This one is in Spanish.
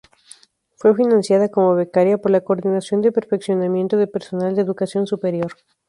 Fue financiada, como becaria, por la Coordinación de Perfeccionamiento de Personal de Educación Superior.